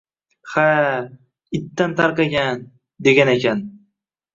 - Ha, ittan tarqagan! - Deganakan...